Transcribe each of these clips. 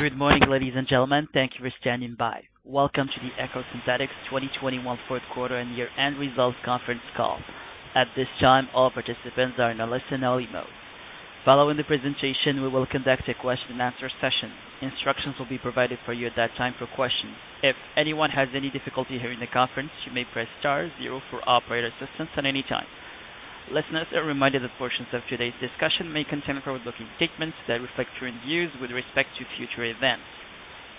Good morning, ladies and gentlemen. Thank you for standing by. Welcome to the EcoSynthetix 2021 fourth quarter and year-end results conference call. At this time, all participants are in a listen-only mode. Following the presentation, we will conduct a question-and-answer session. Instructions will be provided for you at that time for questions. If anyone has any difficulty hearing the conference, you may press star zero for operator assistance at any time. Listeners are reminded that portions of today's discussion may contain forward-looking statements that reflect current views with respect to future events.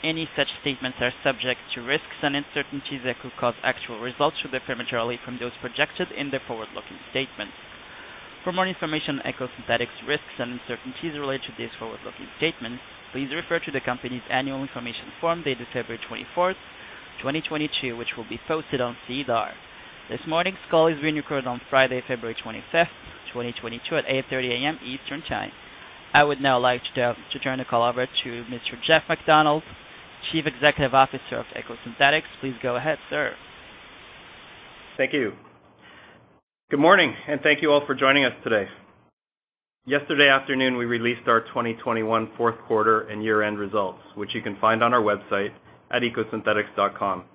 Any such statements are subject to risks and uncertainties that could cause actual results to differ materially from those projected in the forward-looking statements. For more information on EcoSynthetix risks and uncertainties related to these forward-looking statements, please refer to the company's annual information form dated February 24, 2022, which will be posted on SEDAR. This morning's call is being recorded on Friday, February 25th, 2022 at 8:30 A.M. Eastern Time. I would now like to turn the call over to Mr. Jeff MacDonald, Chief Executive Officer of EcoSynthetix. Please go ahead, sir. Thank you. Good morning, and thank you all for joining us today. Yesterday afternoon, we released our 2021 fourth quarter and year-end results, which you can find on our website at ecosynthetix.com.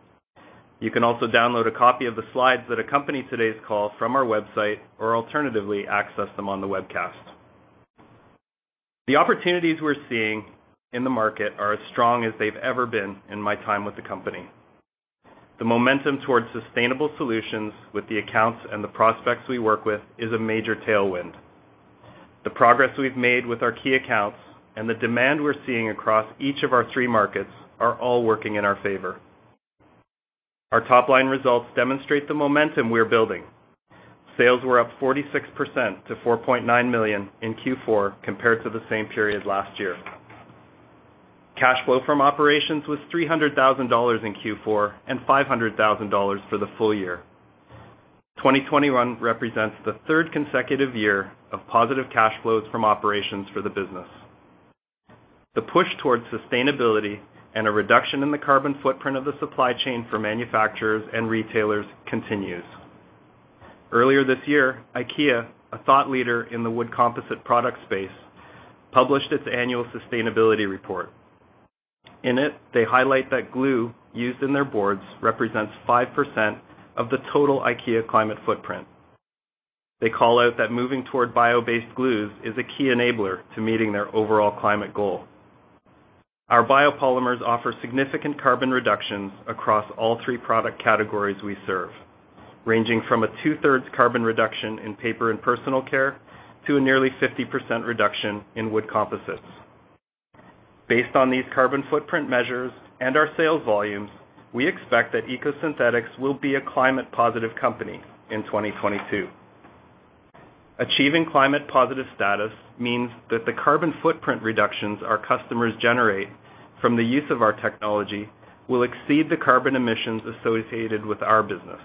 You can also download a copy of the slides that accompany today's call from our website, or alternatively, access them on the webcast. The opportunities we're seeing in the market are as strong as they've ever been in my time with the company. The momentum towards sustainable solutions with the accounts and the prospects we work with is a major tailwind. The progress we've made with our key accounts and the demand we're seeing across each of our three markets are all working in our favor. Our top-line results demonstrate the momentum we're building. Sales were up 46% to 4.9 million in Q4 compared to the same period last year. Cash flow from operations was 300,000 dollars in Q4 and 500,000 dollars for the full year. 2021 represents the third consecutive year of positive cash flows from operations for the business. The push towards sustainability and a reduction in the carbon footprint of the supply chain for manufacturers and retailers continues. Earlier this year, IKEA, a thought leader in the wood composite product space, published its annual sustainability report. In it, they highlight that glue used in their boards represents 5% of the total IKEA climate footprint. They call out that moving toward bio-based glues is a key enabler to meeting their overall climate goal. Our biopolymers offer significant carbon reductions across all three product categories we serve, ranging from a two-thirds carbon reduction in paper and personal care to a nearly 50% reduction in wood composites. Based on these carbon footprint measures and our sales volumes, we expect that EcoSynthetix will be a climate positive company in 2022. Achieving climate positive status means that the carbon footprint reductions our customers generate from the use of our technology will exceed the carbon emissions associated with our business.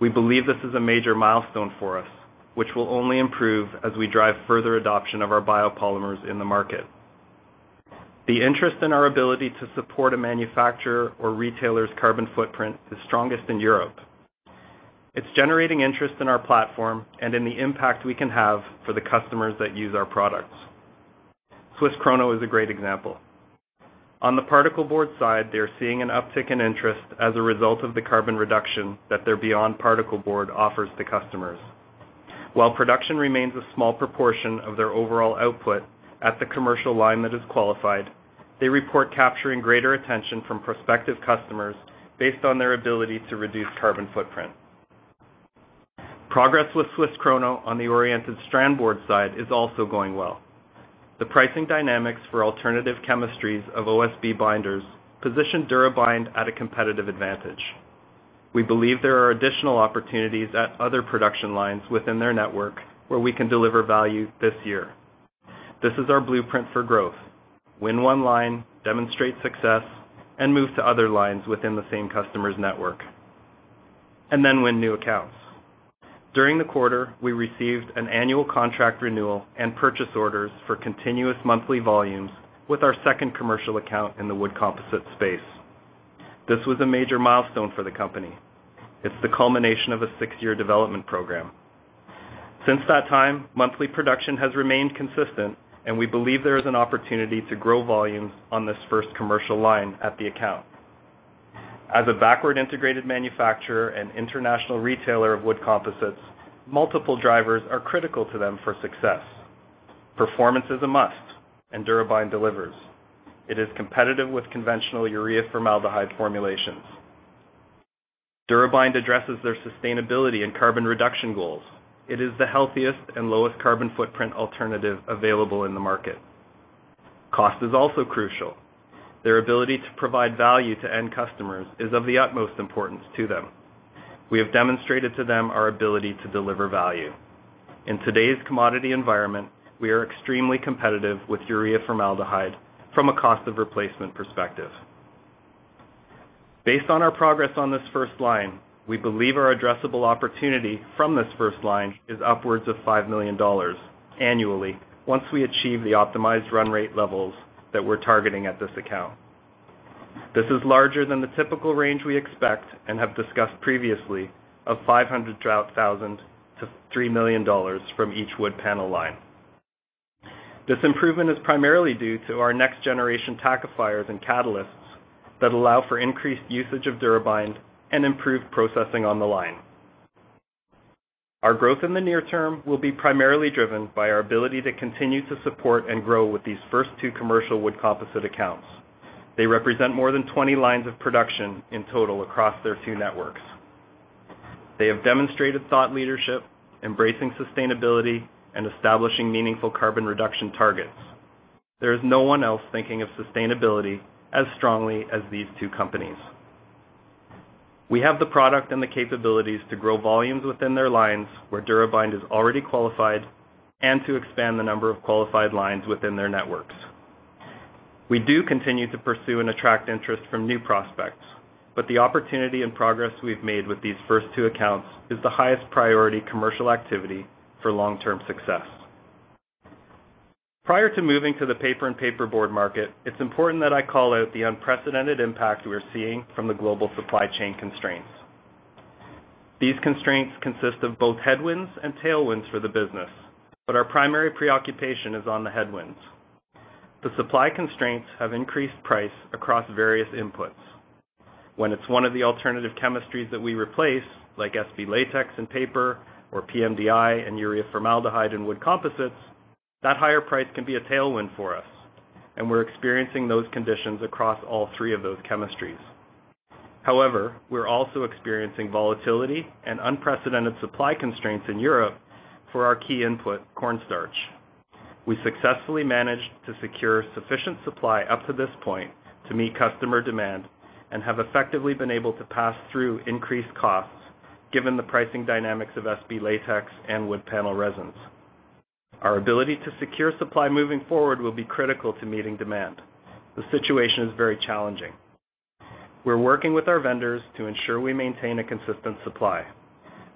We believe this is a major milestone for us, which will only improve as we drive further adoption of our biopolymers in the market. The interest in our ability to support a manufacturer or retailer's carbon footprint is strongest in Europe. It's generating interest in our platform and in the impact we can have for the customers that use our products. SWISS KRONO is a great example. On the particle board side, they're seeing an uptick in interest as a result of the carbon reduction that their Beyond Particleboard offers to customers. While production remains a small proportion of their overall output at the commercial line that is qualified, they report capturing greater attention from prospective customers based on their ability to reduce carbon footprint. Progress with SWISS KRONO on the oriented strand board side is also going well. The pricing dynamics for alternative chemistries of OSB binders position DuraBind at a competitive advantage. We believe there are additional opportunities at other production lines within their network where we can deliver value this year. This is our blueprint for growth. Win one line, demonstrate success, and move to other lines within the same customer's network, and then win new accounts. During the quarter, we received an annual contract renewal and purchase orders for continuous monthly volumes with our second commercial account in the wood composite space. This was a major milestone for the company. It's the culmination of a six-year development program. Since that time, monthly production has remained consistent, and we believe there is an opportunity to grow volumes on this first commercial line at the account. As a backward integrated manufacturer and international retailer of wood composites, multiple drivers are critical to them for success. Performance is a must, and DuraBind delivers. It is competitive with conventional urea formaldehyde formulations. DuraBind addresses their sustainability and carbon reduction goals. It is the healthiest and lowest carbon footprint alternative available in the market. Cost is also crucial. Their ability to provide value to end customers is of the utmost importance to them. We have demonstrated to them our ability to deliver value. In today's commodity environment, we are extremely competitive with urea formaldehyde from a cost of replacement perspective. Based on our progress on this first line, we believe our addressable opportunity from this first line is upwards of 5 million dollars annually once we achieve the optimized run rate levels that we're targeting at this account. This is larger than the typical range we expect and have discussed previously of 500,000-3 million dollars from each wood panel line. This improvement is primarily due to our next generation tackifiers and catalysts that allow for increased usage of DuraBind and improved processing on the line. Our growth in the near term will be primarily driven by our ability to continue to support and grow with these first two commercial wood composite accounts. They represent more than 20 lines of production in total across their two networks. They have demonstrated thought leadership, embracing sustainability and establishing meaningful carbon reduction targets. There is no one else thinking of sustainability as strongly as these two companies. We have the product and the capabilities to grow volumes within their lines, where DuraBind is already qualified and to expand the number of qualified lines within their networks. We do continue to pursue and attract interest from new prospects, but the opportunity and progress we've made with these first two accounts is the highest priority commercial activity for long-term success. Prior to moving to the paper and paperboard market, it's important that I call out the unprecedented impact we're seeing from the global supply chain constraints. These constraints consist of both headwinds and tailwinds for the business, but our primary preoccupation is on the headwinds. The supply constraints have increased price across various inputs. When it's one of the alternative chemistries that we replace, like SB Latex in paper or PMDI and urea formaldehyde in wood composites, that higher price can be a tailwind for us, and we're experiencing those conditions across all three of those chemistries. However, we're also experiencing volatility and unprecedented supply constraints in Europe for our key input, corn starch. We successfully managed to secure sufficient supply up to this point to meet customer demand and have effectively been able to pass through increased costs given the pricing dynamics of SB Latex and wood panel resins. Our ability to secure supply moving forward will be critical to meeting demand. The situation is very challenging. We're working with our vendors to ensure we maintain a consistent supply.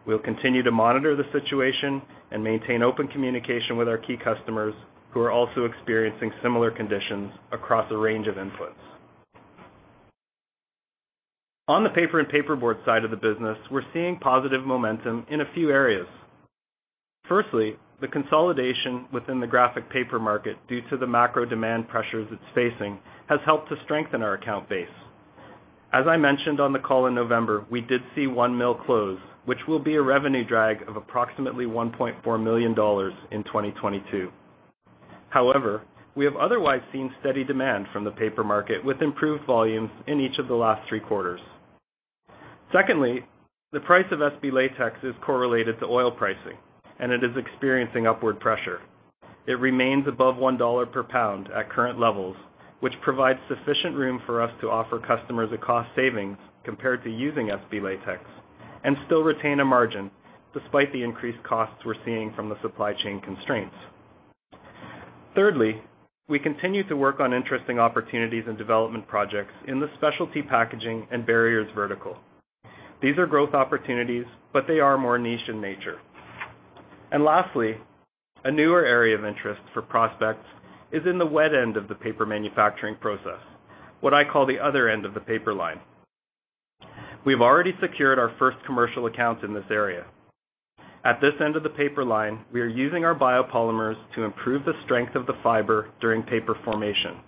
We'll continue to monitor the situation and maintain open communication with our key customers who are also experiencing similar conditions across a range of inputs. On the paper and paper board side of the business, we're seeing positive momentum in a few areas. Firstly, the consolidation within the graphic paper market, due to the macro demand pressures it's facing, has helped to strengthen our account base. As I mentioned on the call in November, we did see one mill close, which will be a revenue drag of approximately 1.4 million dollars in 2022. However, we have otherwise seen steady demand from the paper market, with improved volumes in each of the last three quarters. Secondly, the price of SB Latex is correlated to oil pricing, and it is experiencing upward pressure. It remains above $1 per pound at current levels, which provides sufficient room for us to offer customers a cost savings compared to using SB Latex and still retain a margin despite the increased costs we're seeing from the supply chain constraints. Thirdly, we continue to work on interesting opportunities and development projects in the specialty packaging and barriers vertical. These are growth opportunities, but they are more niche in nature. Lastly, a newer area of interest for prospects is in the wet end of the paper manufacturing process, what I call the other end of the paper line. We've already secured our first commercial accounts in this area. At this end of the paper line, we are using our biopolymers to improve the strength of the fiber during paper formation.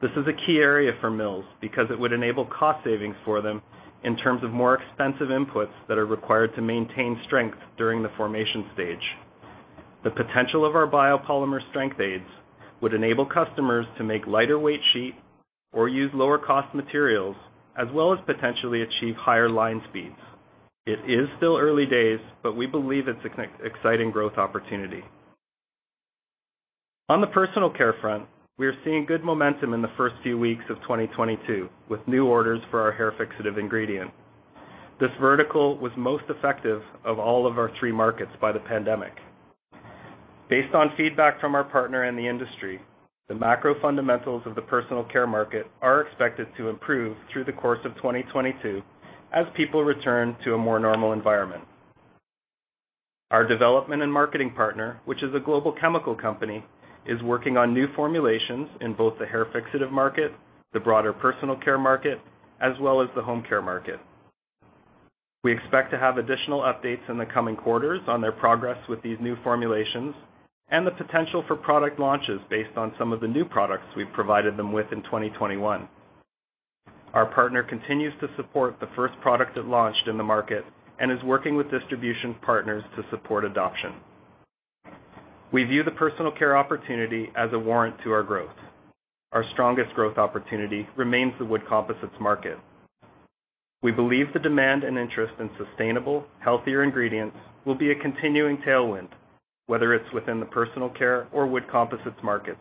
This is a key area for mills because it would enable cost savings for them in terms of more expensive inputs that are required to maintain strength during the formation stage. The potential of our biopolymer strength aids would enable customers to make lighter weight sheet or use lower cost materials, as well as potentially achieve higher line speeds. It is still early days, but we believe it's an exciting growth opportunity. On the personal care front, we are seeing good momentum in the first few weeks of 2022 with new orders for our hair fixative ingredient. This vertical was most affected of all of our three markets by the pandemic. Based on feedback from our partner in the industry, the macro fundamentals of the personal care market are expected to improve through the course of 2022 as people return to a more normal environment. Our development and marketing partner, which is a global chemical company, is working on new formulations in both the hair fixative market, the broader personal care market, as well as the home care market. We expect to have additional updates in the coming quarters on their progress with these new formulations and the potential for product launches based on some of the new products we've provided them with in 2021. Our partner continues to support the first product it launched in the market and is working with distribution partners to support adoption. We view the personal care opportunity as a warrant to our growth. Our strongest growth opportunity remains the wood composites market. We believe the demand and interest in sustainable, healthier ingredients will be a continuing tailwind, whether it's within the personal care or wood composites markets.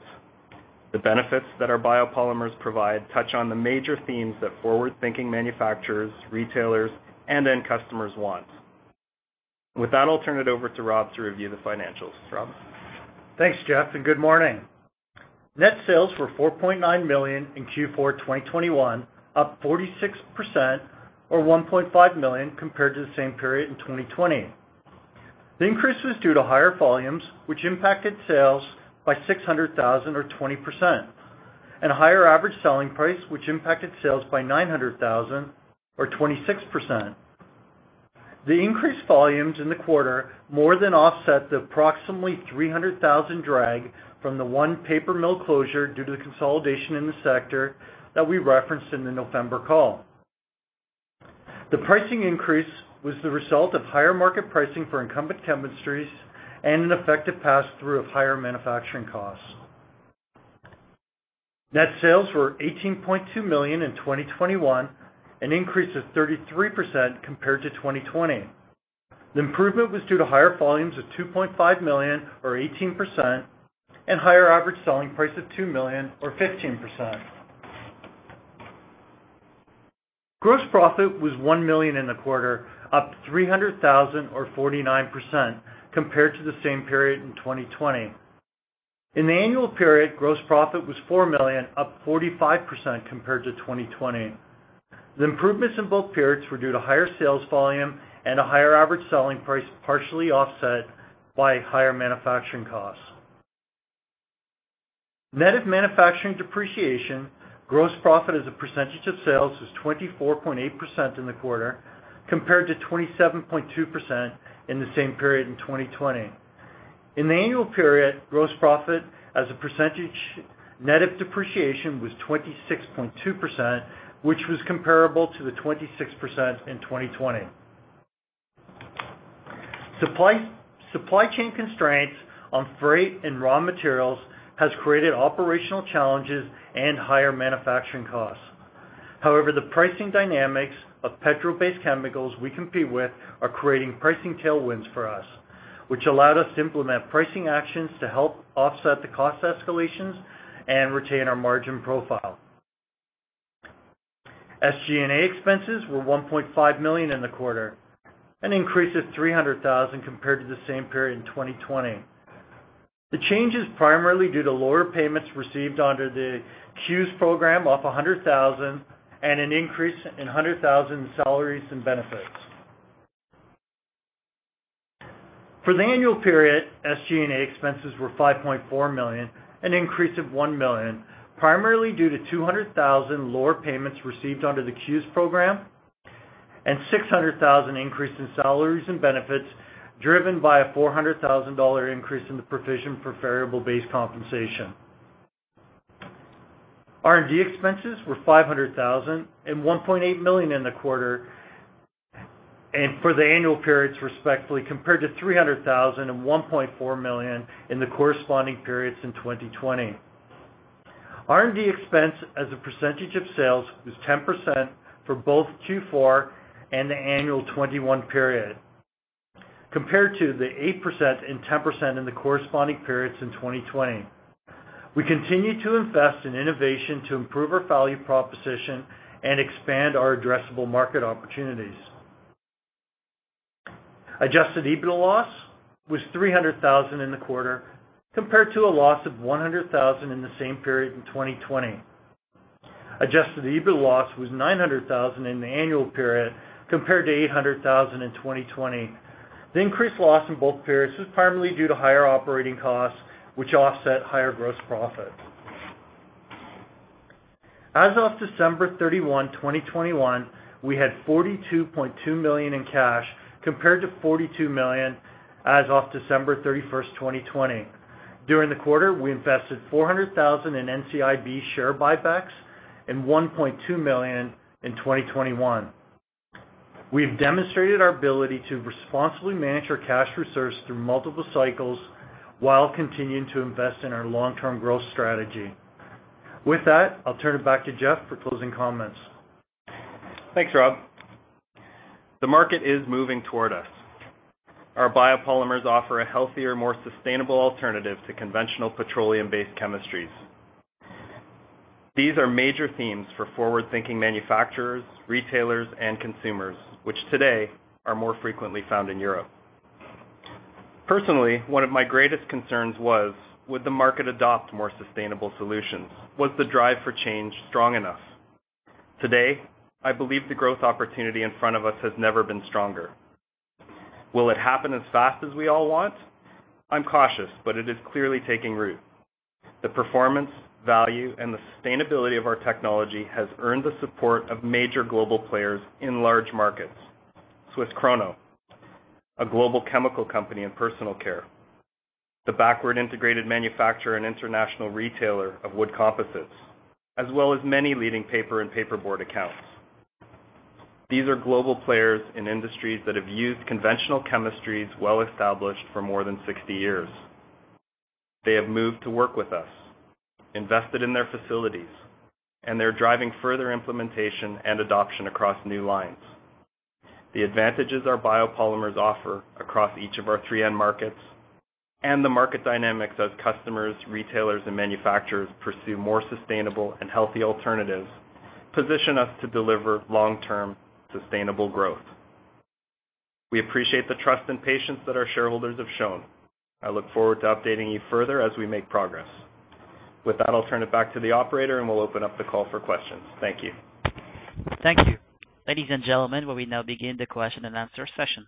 The benefits that our biopolymers provide touch on the major themes that forward-thinking manufacturers, retailers, and end customers want. With that, I'll turn it over to Rob to review the financials. Rob? Thanks, Jeff, and good morning. Net sales were 4.9 million in Q4 2021, up 46% or 1.5 million compared to the same period in 2020. The increase was due to higher volumes, which impacted sales by 600,000 or 20%, and a higher average selling price, which impacted sales by 900,000 or 26%. The increased volumes in the quarter more than offset the approximately 300,000 drag from the one paper mill closure due to the consolidation in the sector that we referenced in the November call. The pricing increase was the result of higher market pricing for incumbent chemistries and an effective pass-through of higher manufacturing costs. Net sales were 18.2 million in 2021, an increase of 33% compared to 2020. The improvement was due to higher volumes of 2.5 million or 18% and higher average selling price of 2 million or 15%. Gross profit was 1 million in the quarter, up 300,000 or 49% compared to the same period in 2020. In the annual period, gross profit was 4 million, up 45% compared to 2020. The improvements in both periods were due to higher sales volume and a higher average selling price, partially offset by higher manufacturing costs. Net of manufacturing depreciation, gross profit as a percentage of sales was 24.8% in the quarter, compared to 27.2% in the same period in 2020. In the annual period, gross profit as a percentage net of depreciation was 26.2%, which was comparable to the 26% in 2020. Supply chain constraints on freight and raw materials has created operational challenges and higher manufacturing costs. However, the pricing dynamics of petrol-based chemicals we compete with are creating pricing tailwinds for us, which allowed us to implement pricing actions to help offset the cost escalations and retain our margin profile. SG&A expenses were 1.5 million in the quarter, an increase of 300,000 compared to the same period in 2020. The change is primarily due to lower payments received under the CEWS program of 100,000 and an increase in 100,000 in salaries and benefits. For the annual period, SG&A expenses were 5.4 million, an increase of 1 million, primarily due to 200,000 lower payments received under the CEWS program and 600,000 increase in salaries and benefits, driven by a 400,000 dollar increase in the provision for variable-based compensation. R&D expenses were 500,000 and 1.8 million in the quarter and for the annual periods, respectively, compared to 300,000 and 1.4 million in the corresponding periods in 2020. R&D expense as a percentage of sales was 10% for both Q4 and the annual 2021 period, compared to the 8% and 10% in the corresponding periods in 2020. We continue to invest in innovation to improve our value proposition and expand our addressable market opportunities. Adjusted EBITDA loss was 300,000 in the quarter, compared to a loss of 100,000 in the same period in 2020. Adjusted EBITDA loss was 900,000 in the annual period, compared to 800,000 in 2020. The increased loss in both periods was primarily due to higher operating costs, which offset higher gross profit. As of December 31, 2021, we had 42.2 million in cash, compared to 42 million as of December 31st, 2020. During the quarter, we invested 400,000 in NCIB share buybacks and 1.2 million in 2021. We have demonstrated our ability to responsibly manage our cash reserves through multiple cycles while continuing to invest in our long-term growth strategy. With that, I'll turn it back to Jeff for closing comments. Thanks, Rob. The market is moving toward us. Our biopolymers offer a healthier, more sustainable alternative to conventional petroleum-based chemistries. These are major themes for forward-thinking manufacturers, retailers, and consumers, which today are more frequently found in Europe. Personally, one of my greatest concerns was, would the market adopt more sustainable solutions? Was the drive for change strong enough? Today, I believe the growth opportunity in front of us has never been stronger. Will it happen as fast as we all want? I'm cautious, but it is clearly taking root. The performance, value, and the sustainability of our technology has earned the support of major global players in large markets. SWISS KRONO, a global chemical company in personal care, the backward integrated manufacturer and international retailer of wood composites, as well as many leading paper and paperboard accounts. These are global players in industries that have used conventional chemistries well established for more than 60 years. They have moved to work with us, invested in their facilities, and they're driving further implementation and adoption across new lines. The advantages our biopolymers offer across each of our 3 end markets and the market dynamics as customers, retailers, and manufacturers pursue more sustainable and healthy alternatives position us to deliver long-term sustainable growth. We appreciate the trust and patience that our shareholders have shown. I look forward to updating you further as we make progress. With that, I'll turn it back to the operator, and we'll open up the call for questions. Thank you. Thank you. Ladies and gentlemen, we will now begin the question and answer session.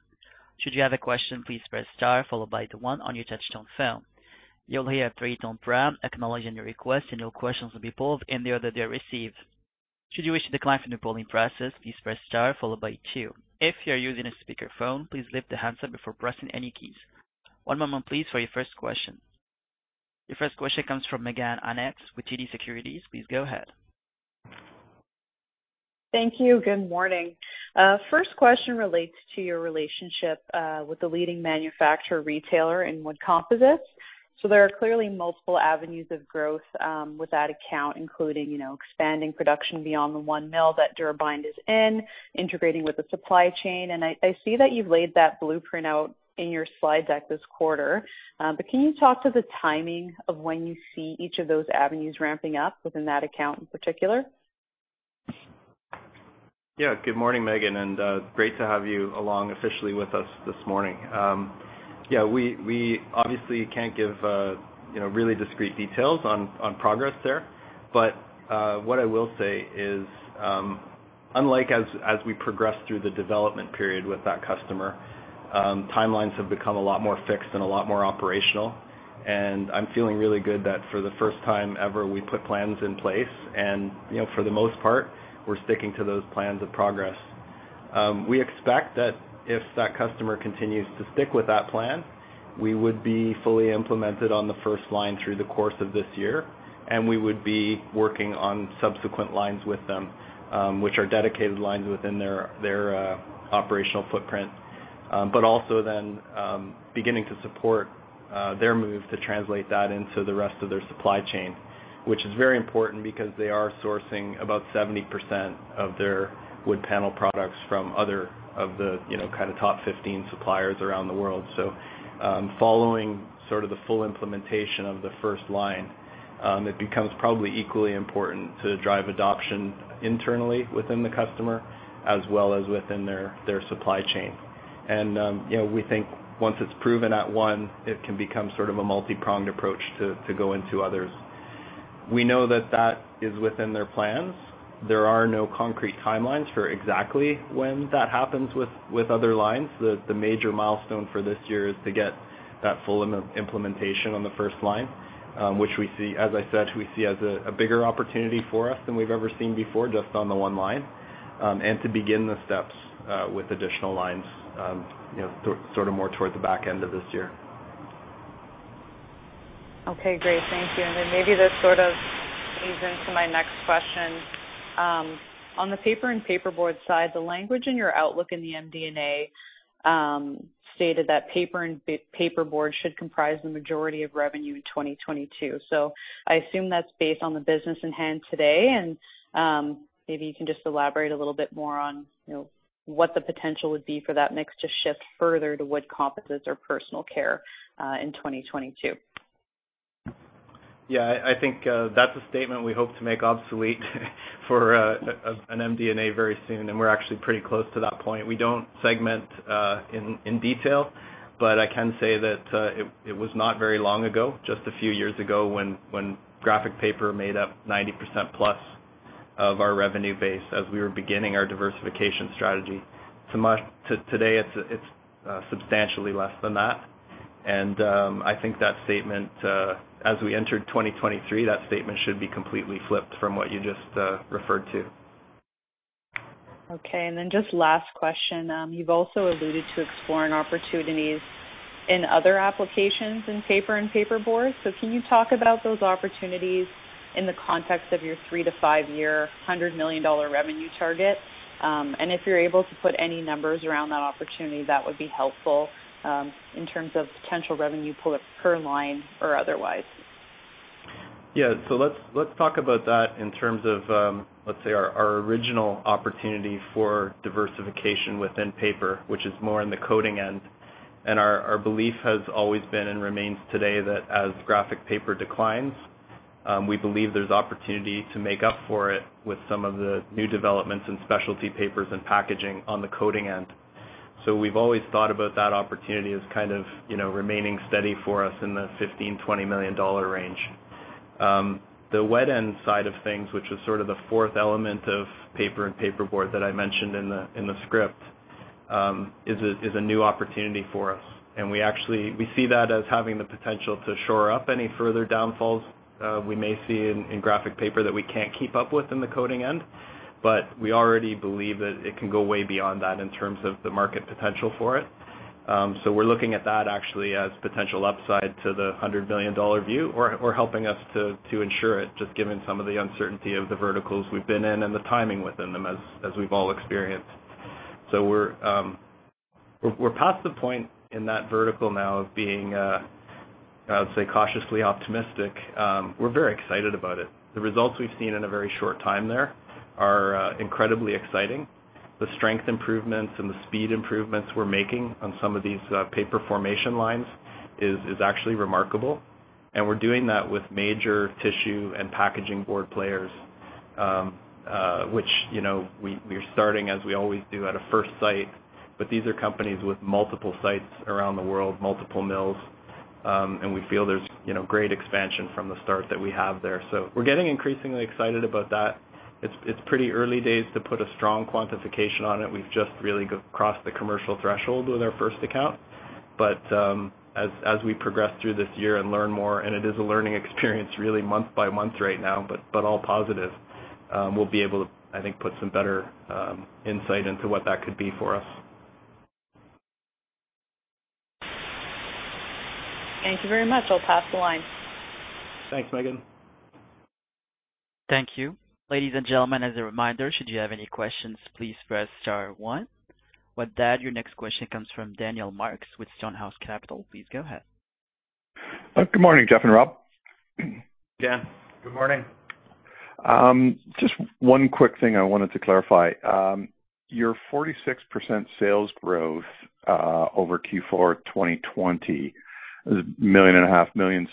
Should you have a question, please press star followed by the one on your touchtone phone. You'll hear a three-tone prompt acknowledging your request, and your questions will be pulled in the order they are received. Should you wish to decline from the polling process, please press star followed by two. If you are using a speakerphone, please lift the handset before pressing any keys. One moment please for your first question. Your first question comes from Meaghen Annett with TD Securities. Please go ahead. Thank you. Good morning. First question relates to your relationship with the leading manufacturer retailer in wood composites. There are clearly multiple avenues of growth with that account, including, you know, expanding production beyond the one mill that DuraBind is in, integrating with the supply chain. I see that you've laid that blueprint out in your slide deck this quarter. Can you talk to the timing of when you see each of those avenues ramping up within that account in particular? Yeah. Good morning, Meaghen Annett, and great to have you along officially with us this morning. Yeah, we obviously can't give you know, really discrete details on progress there. What I will say is, unlike as we progress through the development period with that customer, timelines have become a lot more fixed and a lot more operational. I'm feeling really good that for the first time ever we put plans in place and you know, for the most part, we're sticking to those plans of progress. We expect that if that customer continues to stick with that plan, we would be fully implemented on the first line through the course of this year, and we would be working on subsequent lines with them, which are dedicated lines within their operational footprint. Beginning to support their move to translate that into the rest of their supply chain, which is very important because they are sourcing about 70% of their wood panel products from others of the, you know, kind of top 15 suppliers around the world. Following sort of the full implementation of the first line, it becomes probably equally important to drive adoption internally within the customer as well as within their supply chain. You know, we think once it's proven at one, it can become sort of a multipronged approach to go into others. We know that is within their plans. There are no concrete timelines for exactly when that happens with other lines. The major milestone for this year is to get that full implementation on the first line, which we see, as I said, as a bigger opportunity for us than we've ever seen before, just on the one line, and to begin the steps with additional lines, you know, sort of more towards the back end of this year. Okay, great. Thank you. Maybe this sort of ease into my next question. On the paper and paperboard side, the language in your outlook in the MD&A stated that paper and paperboard should comprise the majority of revenue in 2022. I assume that's based on the business in hand today, and maybe you can just elaborate a little bit more on, you know, what the potential would be for that mix to shift further to wood composites or personal care in 2022. I think that's a statement we hope to make obsolete for an MD&A very soon, and we're actually pretty close to that point. We don't segment in detail, but I can say that it was not very long ago, just a few years ago, when graphic paper made up 90% plus of our revenue base as we were beginning our diversification strategy. To today, it's substantially less than that. I think that statement, as we enter 2023, should be completely flipped from what you just referred to. Okay. Just last question. You've also alluded to exploring opportunities in other applications in paper and paperboard. Can you talk about those opportunities in the context of your 3-5-year 100 million dollar revenue target? And if you're able to put any numbers around that opportunity, that would be helpful, in terms of potential revenue per line or otherwise. Yeah. Let's talk about that in terms of, let's say our original opportunity for diversification within paper, which is more in the coating end. Our belief has always been and remains today that as graphic paper declines, we believe there's opportunity to make up for it with some of the new developments in specialty papers and packaging on the coating end. We've always thought about that opportunity as kind of, you know, remaining steady for us in the 15 million-20 million dollar range. The wet end side of things, which is sort of the fourth element of paper and paperboard that I mentioned in the script, is a new opportunity for us. We actually see that as having the potential to shore up any further downfalls we may see in graphic paper that we can't keep up with in the coating end. We already believe that it can go way beyond that in terms of the market potential for it. We're looking at that actually as potential upside to the 100 million dollar view or helping us to ensure it, just given some of the uncertainty of the verticals we've been in and the timing within them as we've all experienced. We're past the point in that vertical now of being, I would say, cautiously optimistic. We're very excited about it. The results we've seen in a very short time there are incredibly exciting. The strength improvements and the speed improvements we're making on some of these paper formation lines is actually remarkable. We're doing that with major tissue and packaging board players, which, you know, we're starting, as we always do, at a first site, but these are companies with multiple sites around the world, multiple mills. We feel there's, you know, great expansion from the start that we have there. We're getting increasingly excited about that. It's pretty early days to put a strong quantification on it. W e've just really crossed the commercial threshold with our first account. As we progress through this year and learn more, and it is a learning experience really month by month right now, but all positive, we'll be able to, I think, put some better insight into what that could be for us. Thank you very much. I'll pass the line. Thanks, Meaghen. Thank you. Ladies and gentlemen, as a reminder, should you have any questions, please press star one. With that, your next question comes from Daniel Marks with Stonehouse Capital. Please go ahead. Good morning, Jeff and Rob. Dan, good morning. Just one quick thing I wanted to clarify. Your 46% sales growth over Q4 2020 is 1.5 million, 1.6 million.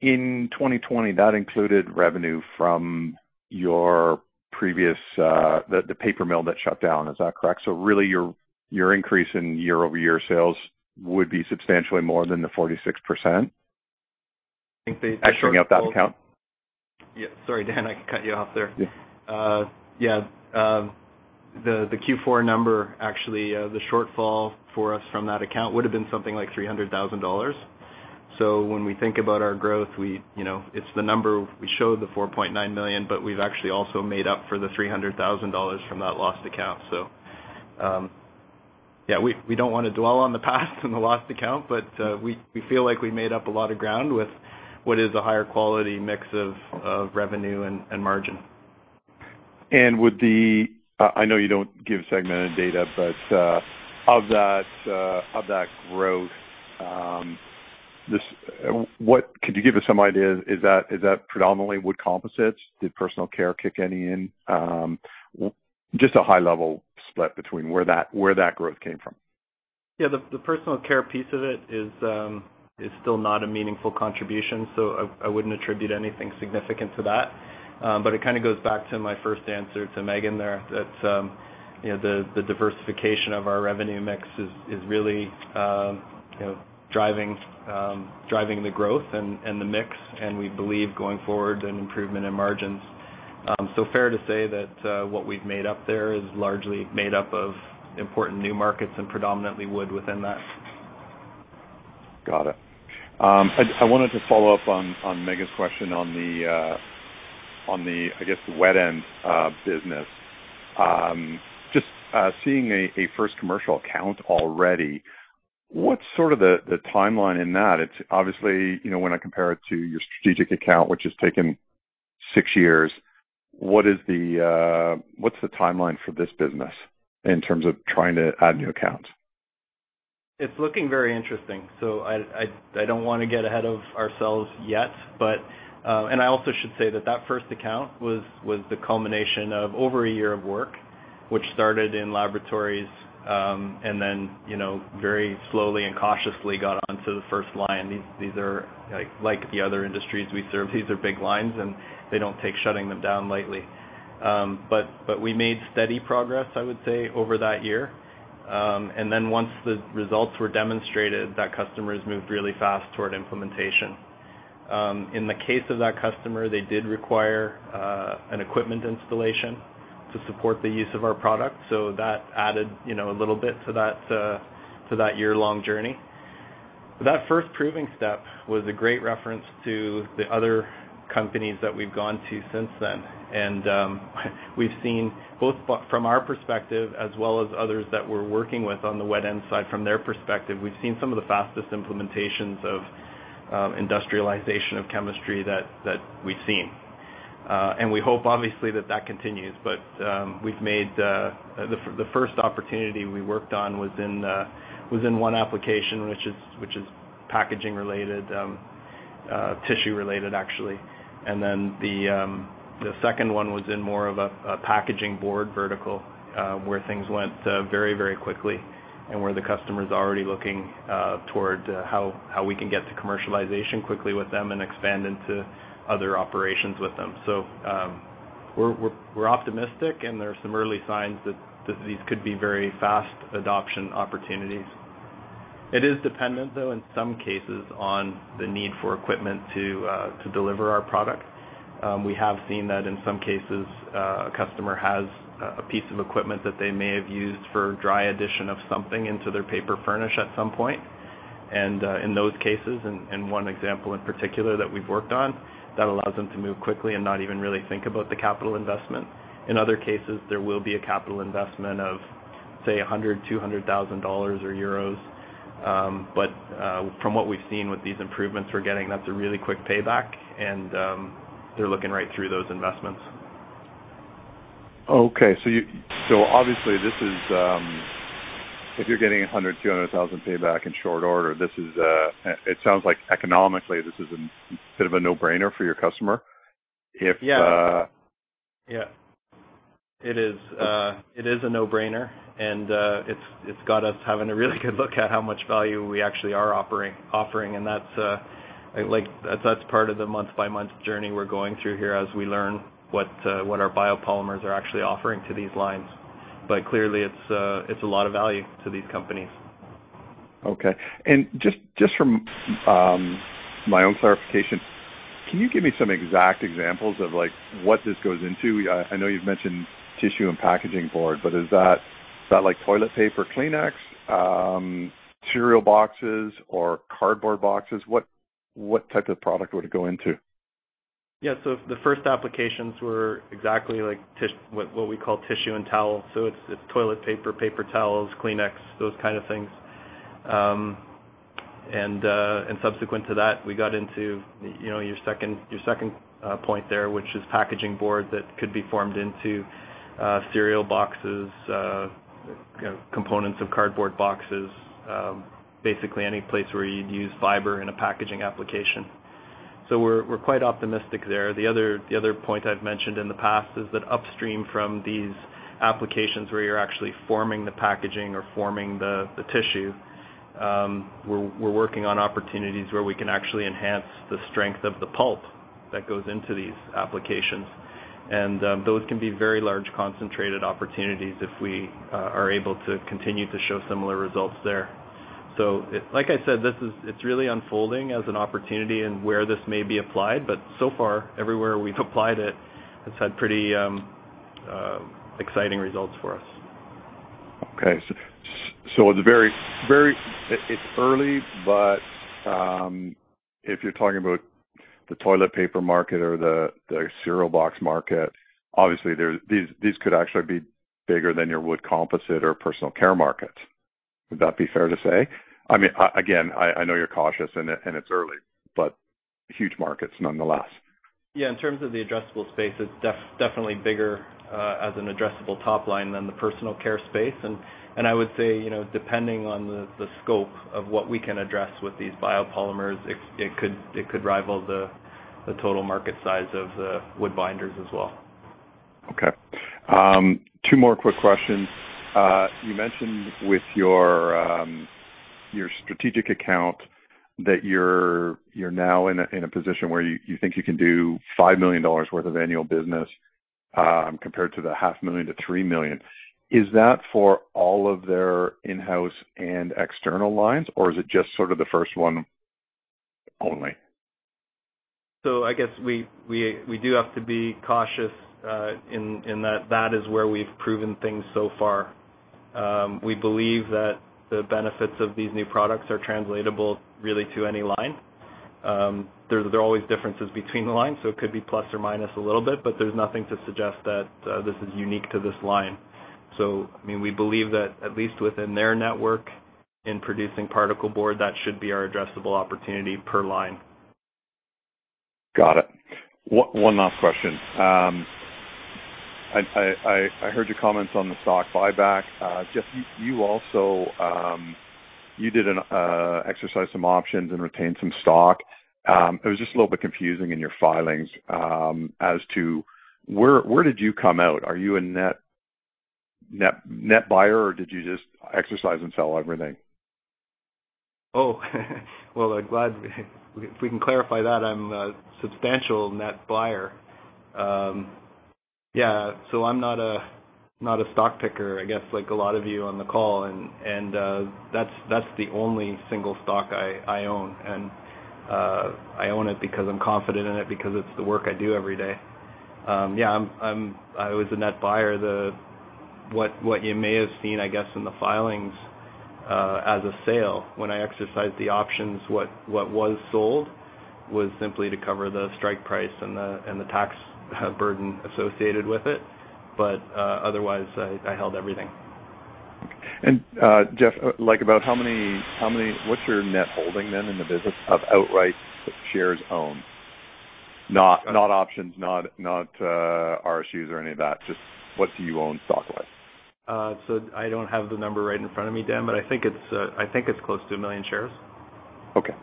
In 2020, that included revenue from your previous the paper mill that shut down. Is that correct? Really, your increase in year-over-year sales would be substantially more than the 46%. I think the- Actually, without that account. Yeah. Sorry, Dan, I cut you off there. Yeah. Yeah. The Q4 number, actually, the shortfall for us from that account would have been something like 300,000 dollars. When we think about our growth, you know, it's the number we showed, the 4.9 million, but we've actually also made up for the 300,000 dollars from that lost account. Yeah, we don't wanna dwell on the past and the lost account, but we feel like we made up a lot of ground with what is a higher quality mix of revenue and margin. I know you don't give segmented data, but of that growth, could you give us some idea? Is that predominantly wood composites? Did personal care kick any in? Just a high level split between where that growth came from. Yeah. The personal care piece of it is still not a meaningful contribution, so I wouldn't attribute anything significant to that. It kinda goes back to my first answer to Meaghen there that you know, the diversification of our revenue mix is really you know, driving the growth and the mix, and we believe going forward an improvement in margins. Fair to say that what we've made up there is largely made up of important new markets and predominantly wood within that. Got it. I wanted to follow up on Meaghen's question on the, I guess, wet end business. Just seeing a first commercial account already, what's sort of the timeline in that? It's obviously, you know, when I compare it to your strategic account, which has taken six years, what's the timeline for this business in terms of trying to add new accounts? It's looking very interesting. I don't wanna get ahead of ourselves yet, but I also should say that that first account was the culmination of over a year of work, which started in laboratories and then, you know, very slowly and cautiously got onto the first line. These are like the other industries we serve, these are big lines, and they don't take shutting them down lightly. We made steady progress, I would say, over that year. Once the results were demonstrated, the customers moved really fast toward implementation. In the case of that customer, they did require an equipment installation to support the use of our product, so that added, you know, a little bit to that year-long journey. That first proving step was a great reference to the other companies that we've gone to since then. We've seen both from our perspective as well as others that we're working with on the wet end side from their perspective, we've seen some of the fastest implementations of industrialization of chemistry that we've seen. We hope obviously that that continues. We've made the first opportunity we worked on was in one application, which is packaging related, tissue related, actually. The second one was in more of a packaging board vertical, where things went very quickly and where the customer's already looking toward how we can get to commercialization quickly with them and expand into other operations with them. We're optimistic, and there are some early signs that these could be very fast adoption opportunities. It is dependent, though, in some cases on the need for equipment to deliver our product. We have seen that in some cases a customer has a piece of equipment that they may have used for dry addition of something into their paper furnish at some point. In those cases, one example in particular that we've worked on allows them to move quickly and not even really think about the capital investment. In other cases, there will be a capital investment of, say, $100,000-$200,000 or 100,000-200,000 euros. From what we've seen with these improvements we're getting, that's a really quick payback, and they're looking right through those investments. Obviously, this is if you're getting 100,000-200,000 payback in short order. This sounds like economically this is a bit of a no-brainer for your customer. Yeah. It is a no-brainer, and it's got us having a really good look at how much value we actually are offering. That's like that's part of the month by month journey we're going through here as we learn what our biopolymers are actually offering to these lines. Clearly it's a lot of value to these companies. Okay. Just from my own clarification, can you give me some exact examples of like what this goes into? I know you've mentioned tissue and packaging board, but is that like toilet paper, Kleenex, cereal boxes or cardboard boxes? What type of product would it go into? Yeah. The first applications were exactly like what we call tissue and towel. It's toilet paper towels, Kleenex, those kind of things. Subsequent to that, we got into, you know, your second point there, which is packaging board that could be formed into cereal boxes, you know, components of cardboard boxes, basically any place where you'd use fiber in a packaging application. We're quite optimistic there. The other point I've mentioned in the past is that upstream from these applications where you're actually forming the packaging or forming the tissue, we're working on opportunities where we can actually enhance the strength of the pulp that goes into these applications. Those can be very large concentrated opportunities if we are able to continue to show similar results there. Like I said, it's really unfolding as an opportunity in where this may be applied, but so far everywhere we've applied it's had pretty exciting results for us. Okay. It's very early, but if you're talking about the toilet paper market or the cereal box market, obviously these could actually be bigger than your wood composite or personal care market. Would that be fair to say? I mean, again, I know you're cautious and it's early, but huge markets nonetheless. Yeah. In terms of the addressable space, it's definitely bigger as an addressable top line than the personal care space. I would say, you know, depending on the scope of what we can address with these biopolymers, it could rival the total market size of the wood binders as well. Okay. Two more quick questions. You mentioned with your strategic account that you're now in a position where you think you can do 5 million dollars worth of annual business, compared to the half million to 3 million. Is that for all of their in-house and external lines, or is it just sort of the first one only? I guess we do have to be cautious in that is where we've proven things so far. We believe that the benefits of these new products are translatable really to any line. There are always differences between the lines, so it could be plus or minus a little bit, but there's nothing to suggest that this is unique to this line. I mean, we believe that at least within their network in producing particle board, that should be our addressable opportunity per line. Got it. One last question. I heard your comments on the stock buyback. Just, you also did exercise some options and retained some stock. It was just a little bit confusing in your filings, as to where did you come out? Are you a net buyer, or did you just exercise and sell everything? Oh. Well, if we can clarify that, I'm a substantial net buyer. Yeah, so I'm not a stock picker, I guess like a lot of you on the call and that's the only single stock I own and I own it because I'm confident in it because it's the work I do every day. Yeah, I was a net buyer. What you may have seen, I guess, in the filings as a sale when I exercised the options, what was sold was simply to cover the strike price and the tax burden associated with it. Otherwise, I held everything. Jeff, like, about how many? What's your net holding then in the business of outright shares owned? Not RSUs or any of that, just what do you own stock-wise? I don't have the number right in front of me, Dan, but I think it's close to 1 million shares. Okay.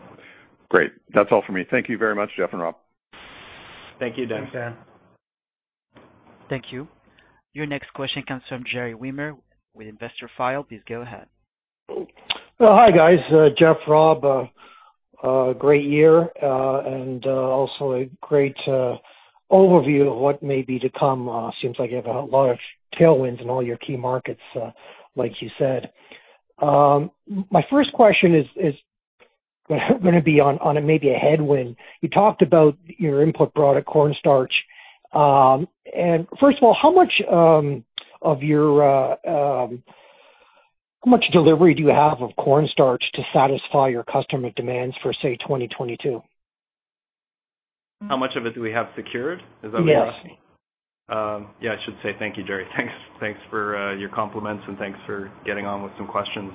Great. That's all for me. Thank you very much, Jeff and Rob. Thank you, Dan. Thanks, Dan. Thank you. Your next question comes from Gerry Wiemer with Investorfile.com. Please go ahead. Hi, guys. Jeff, Rob, a great year and also a great overview of what may be to come. Seems like you have a lot of tailwinds in all your key markets, like you said. My first question is gonna be on maybe a headwind. You talked about your input product, corn starch. First of all, how much delivery do you have of corn starch to satisfy your customer demands for, say, 2022? How much of it do we have secured? Is that what you're asking? Yes. Yeah, I should say thank you, Gerry. Thanks for your compliments, and thanks for getting on with some questions.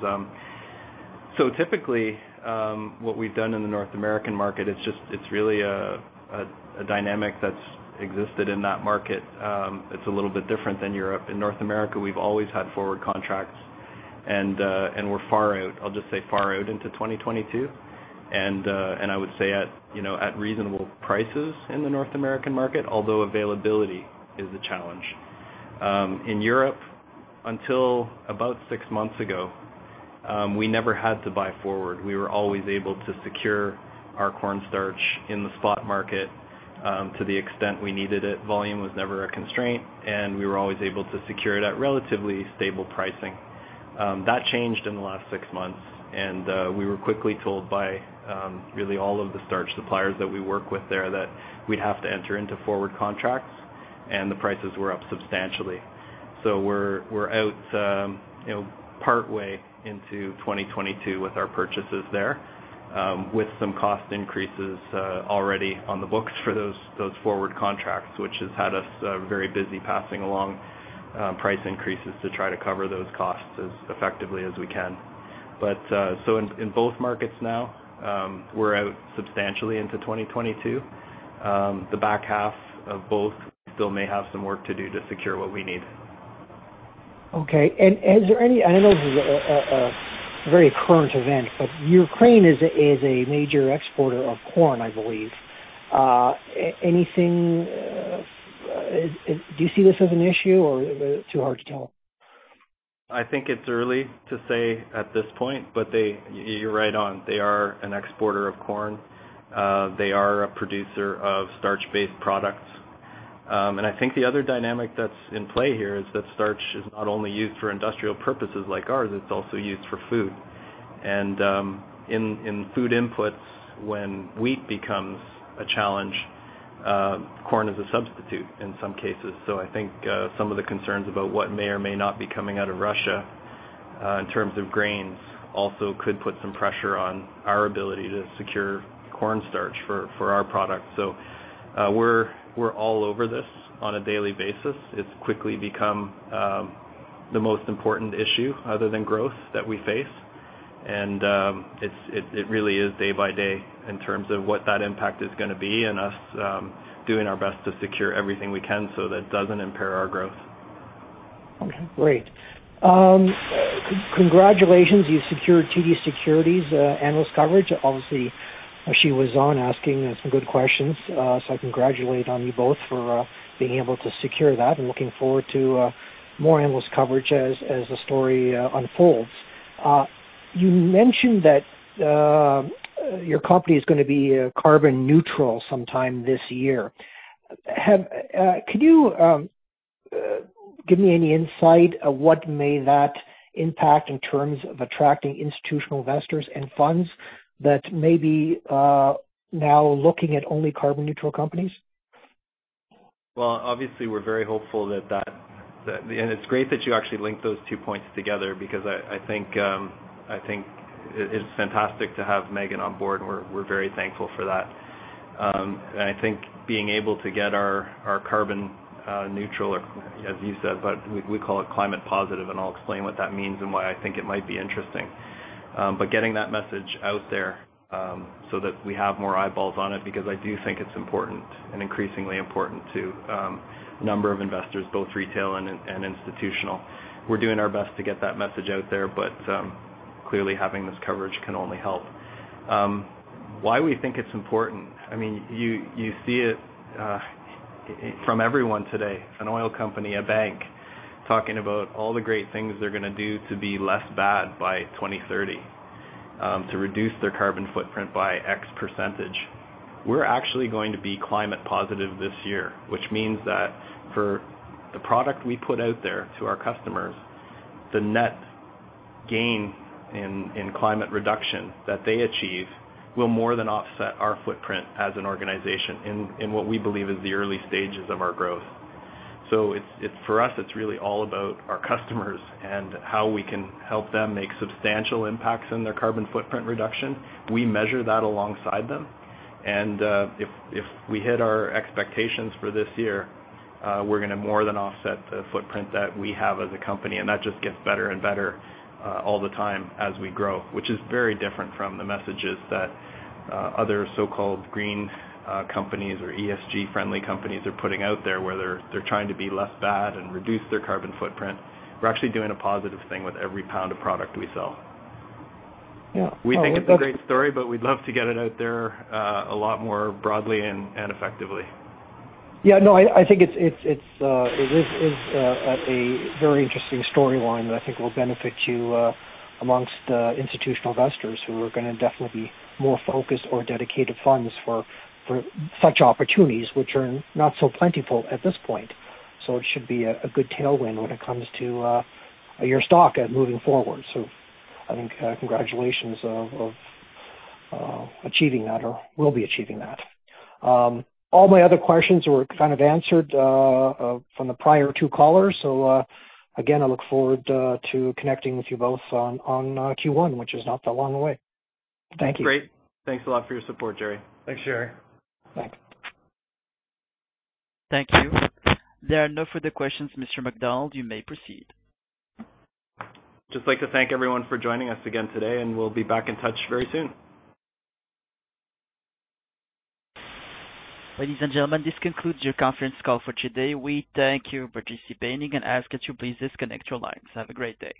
Typically, what we've done in the North American market, it's just really a dynamic that's existed in that market. It's a little bit different than Europe. In North America, we've always had forward contracts and we're far out, I'll just say far out into 2022. I would say, you know, at reasonable prices in the North American market, although availability is a challenge. In Europe, about six months ago, we never had to buy forward. We were always able to secure our corn starch in the spot market, to the extent we needed it. Volume was never a constraint, and we were always able to secure it at relatively stable pricing. That changed in the last six months and we were quickly told by really all of the starch suppliers that we work with there that we'd have to enter into forward contracts and the prices were up substantially. We're out, you know, partway into 2022 with our purchases there, with some cost increases already on the books for those forward contracts, which has had us very busy passing along price increases to try to cover those costs as effectively as we can. In both markets now, we're out substantially into 2022. The back half of both we still may have some work to do to secure what we need. Okay. Is there any? I know this is a very current event, but Ukraine is a major exporter of corn, I believe. Anything, do you see this as an issue, or too hard to tell? I think it's early to say at this point, but they. You're right on. They are an exporter of corn. They are a producer of starch-based products. I think the other dynamic that's in play here is that starch is not only used for industrial purposes like ours, it's also used for food. In food inputs, when wheat becomes a challenge, corn is a substitute in some cases. I think some of the concerns about what may or may not be coming out of Russia in terms of grains also could put some pressure on our ability to secure corn starch for our products. We're all over this on a daily basis. It's quickly become the most important issue other than growth that we face. It really is day by day in terms of what that impact is gonna be and us doing our best to secure everything we can so that it doesn't impair our growth. Okay, great. Congratulations. You secured TD Securities analyst coverage. Obviously, she was on asking some good questions. I congratulate you both on being able to secure that and looking forward to more analyst coverage as the story unfolds. You mentioned that your company is gonna be carbon neutral sometime this year. Could you give me any insight on what that may impact in terms of attracting institutional investors and funds that may be now looking at only carbon neutral companies? Well, obviously, we're very hopeful that. It's great that you actually linked those two points together because I think it's fantastic to have Meaghen on board, and we're very thankful for that. I think being able to get our carbon neutral or as you said, but we call it climate positive, and I'll explain what that means and why I think it might be interesting. But getting that message out there so that we have more eyeballs on it, because I do think it's important and increasingly important to a number of investors, both retail and institutional. We're doing our best to get that message out there, but clearly having this coverage can only help. Why we think it's important, I mean, you see it from everyone today, an oil company, a bank, talking about all the great things they're gonna do to be less bad by 2030, to reduce their carbon footprint by X%. We're actually going to be climate positive this year, which means that for the product we put out there to our customers, the net gain in climate reduction that they achieve will more than offset our footprint as an organization in what we believe is the early stages of our growth. It's for us, it's really all about our customers and how we can help them make substantial impacts in their carbon footprint reduction. We measure that alongside them. If we hit our expectations for this year, we're gonna more than offset the footprint that we have as a company, and that just gets better and better all the time as we grow, which is very different from the messages that other so-called green companies or ESG-friendly companies are putting out there where they're trying to be less bad and reduce their carbon footprint. We're actually doing a positive thing with every pound of product we sell. Yeah. We think it's a great story, but we'd love to get it out there, a lot more broadly and effectively. I think it's a very interesting storyline that I think will benefit you among institutional investors who are gonna definitely be more focused on dedicated funds for such opportunities which are not so plentiful at this point. It should be a good tailwind when it comes to your stock going forward. I think congratulations on achieving that or will be achieving that. All my other questions were kind of answered from the prior two callers. Again, I look forward to connecting with you both on Q1, which is not that long away. Thank you. Great. Thanks a lot for your support, Gerry. Thanks, Gerry. Thanks. Thank you. There are no further questions. Mr. McDonald, you may proceed. Just like to thank everyone for joining us again today, and we'll be back in touch very soon. Ladies and gentlemen, this concludes your conference call for today. We thank you for participating and ask that you please disconnect your lines. Have a great day.